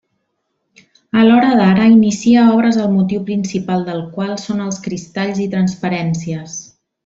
A l'hora d'ara inicia obres el motiu principal del qual són els cristalls i transparències.